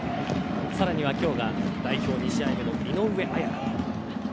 更には今日が代表２試合目の井上綾香。